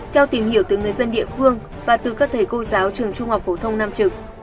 theo tìm hiểu từ người dân địa phương và từ các thầy cô giáo trường trung học phổ thông nam trực